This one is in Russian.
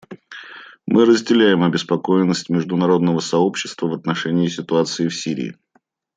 Мы разделяем обеспокоенность международного сообщества в отношении ситуации в Сирии.